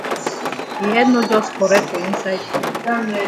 Yi head no jus correct for inside.